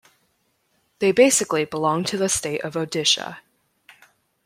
They basically belong to the state of Odisha.